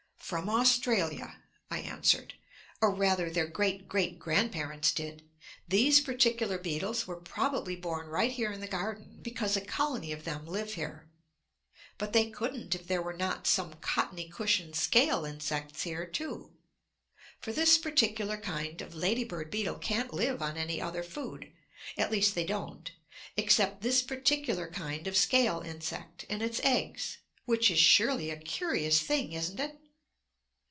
"From Australia," I answered. "Or rather their great great grandparents did. These particular beetles were probably born right here in the garden, because a colony of them live here. But they couldn't if there were not some cottony cushion scale insects here too. For this particular kind of lady bird beetle can't live on any other food at least they don't except this particular kind of scale insect and its eggs, which is surely a curious thing, isn't it?"